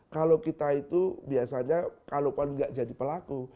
kalau kita itu biasanya kalaupun nggak jadi pelaku